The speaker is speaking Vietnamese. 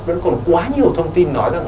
vẫn còn quá nhiều thông tin nói rằng